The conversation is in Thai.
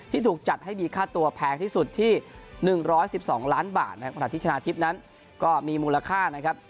ถูกจัดให้มีค่าตัวแพงที่สุดที่๑๑๒ล้านบาทนะครับขณะที่ชนะทิพย์นั้นก็มีมูลค่านะครับ